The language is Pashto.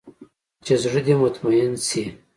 چې زړه دې مطمين سي.